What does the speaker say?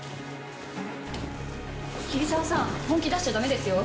桐沢さん本気出しちゃ駄目ですよ。